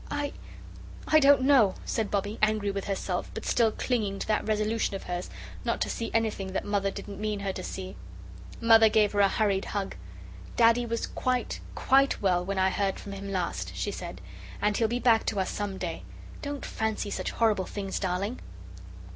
"I I don't know," said Bobbie, angry with herself, but still clinging to that resolution of hers, not to see anything that Mother didn't mean her to see. Mother gave her a hurried hug. "Daddy was quite, QUITE well when I heard from him last," she said, "and he'll come back to us some day. Don't fancy such horrible things, darling!"